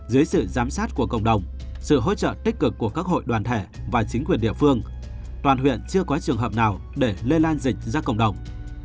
dưới sự giám sát của cộng đồng sự hỗ trợ tích cực của các hội đoàn thể và chính quyền địa phương toàn huyện chưa có trường hợp nào để lây lan dịch ra cộng đồng